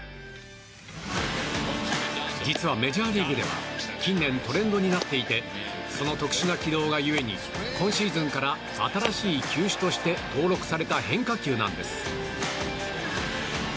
実はメジャーリーグでは近年トレンドになっていてその特殊な軌道が故に今シーズンから新しい球種として登録された変化球なんです。